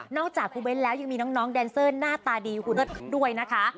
จากคุณเบ้นแล้วยังมีน้องแดนเซอร์หน้าตาดีคุณด้วยนะคะ